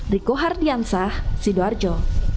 riko hardiansah desidoarjo